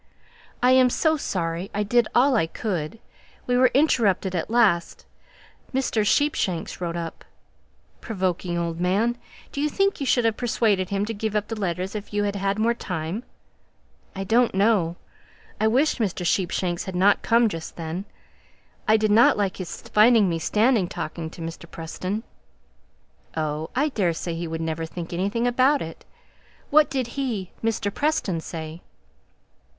"I am so sorry; I did all I could; we were interrupted at last Mr. Sheepshanks rode up." "Provoking old man! Do you think you should have persuaded him to give up the letters if you had had more time?" "I don't know. I wish Mr. Sheepshanks hadn't come up just then. I didn't like his finding me standing talking to Mr. Preston." "Oh! I daresay he'd never think anything about it. What did he Mr. Preston say?"